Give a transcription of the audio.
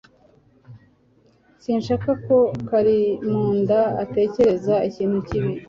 Sinshaka ko Karimunda atekereza ikintu kibi